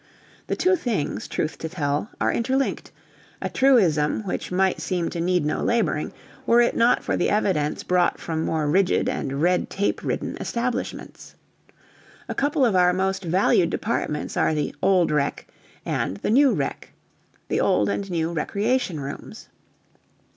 The two things, truth to tell, are interlinked a truism which might seem to need no labouring, were it not for the evidence brought from more rigid and red tape ridden establishments. A couple of our most valued departments are the "Old Rec." and the "New Rec." the old and new recreation rooms.